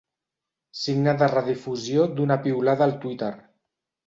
Signe de redifusió d'una piulada al Twitter.